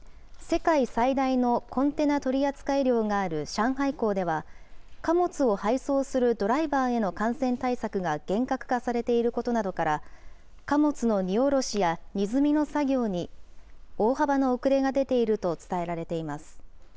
世界最大のコンテナ取扱量がある上海港では、貨物を配送するドライバーへの感染対策が厳格化されていることなどから、貨物の荷降ろしや荷積みの作業に大幅な遅れが出ていると伝えられています。